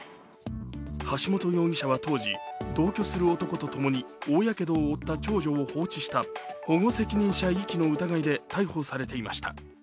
橋本容疑者は当時、同居する男とともに大やけどを負った長女を放置した保護責任者遺棄の疑いで逮捕されていました。